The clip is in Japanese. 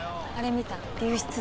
見た。